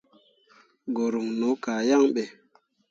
Guruŋ no kah yaŋ ɓe.